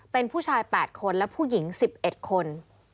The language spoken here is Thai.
เป็นผู้ชาย๘คนและผู้หญิง๑๑คน